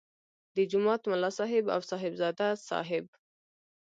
د جومات ملا صاحب او صاحبزاده صاحب.